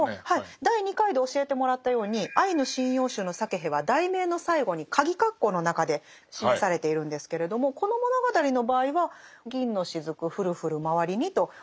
第２回で教えてもらったように「アイヌ神謡集」のサケヘは題名の最後にかぎ括弧の中で示されているんですけれどもこの物語の場合は「銀の滴降る降るまわりに」とありますね中川さん。